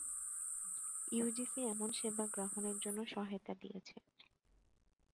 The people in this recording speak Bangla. ইউজিসি এমন সেবা গ্রহণের জন্য সহায়তা দিয়েছে।